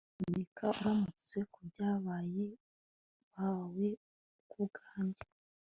nyamuneka uramutse kubabyeyi bawe kubwanjye